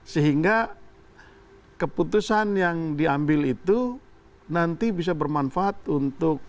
sehingga keputusan yang diambil itu nanti bisa bermanfaat untuk